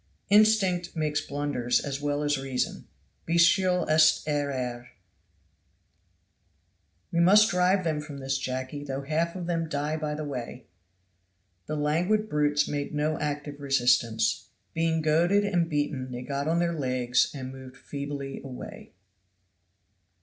Instinct makes blunders as well as reason. Bestiale est errare. "We must drive them from this, Jacky, though half of them die by the way." The languid brutes made no active resistance. Being goaded and beaten they got on their legs and moved feebly away.